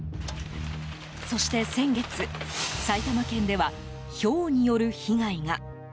そして先月、埼玉県ではひょうによる被害が。